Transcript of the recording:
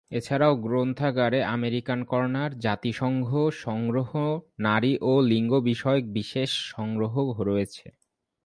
এছাড়াও গ্রন্থাগারে American corner, জাতিসংঘ সংগ্রহ, নারী ও লিঙ্গ বিষয়ক বিশেষ সংগ্রহ রয়েছে।